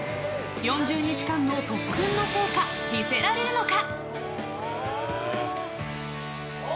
４０日間の特訓の成果見せられるのか。